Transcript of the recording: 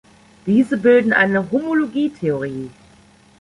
Diese bilden eine Homologietheorie.